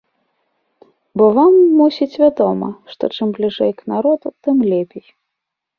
Бо вам, мусіць, вядома, што чым бліжэй к народу, тым лепей!